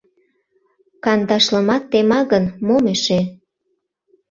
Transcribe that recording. Кандашлымат тема гын, мом эше.